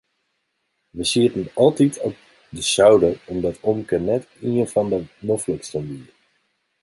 We sieten altyd op de souder omdat omke net ien fan de nofliksten wie.